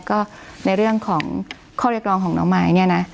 ก็ในเรื่องของข้อเรียกร้องของน้องมายเนี่ยนะ